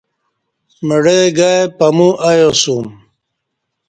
مڑہ گای پمو ایاسوم